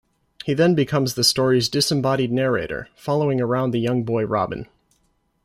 He then becomes the story's disembodied narrator, following around the young boy Robin.